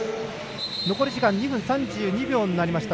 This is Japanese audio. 残り時間２分３２秒になりました。